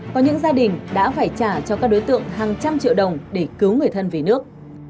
có những gia đình đã phải trả cho các đối tượng hàng trăm triệu đồng để cứu người thân về nước